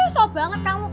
sob banget kamu